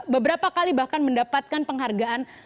beberapa kali bahkan mendapatkan penghargaan